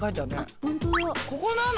ここなの？